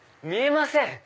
見えません。